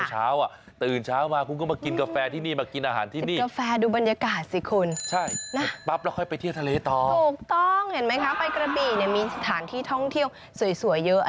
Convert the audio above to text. เห็นไหมคะไปกระบี่เนี่ยมีสถานที่ท่องเที่ยวสวยเยอะ